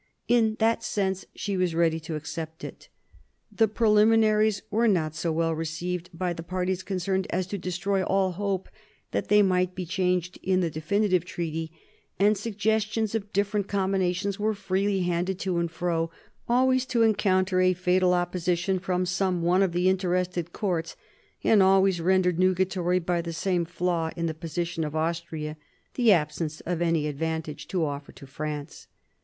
In that sense she was ready to accept it. The preliminaries were not so well received by the parties concerned as to destroy all hope that they might be changed in the definitive treaty ; and suggestions of different combinations were freely handed to and fro, always to encounter a fatal opposition from some one of the interested courts, and always rendered nugatory by the same flaw in the position of Austria, — the absence of any advantage to offer to France.